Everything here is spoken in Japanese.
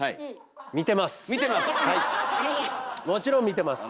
「見てます」！